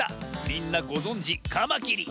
みんなごぞんじカマキリ！